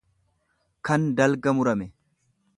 kan dalga murame.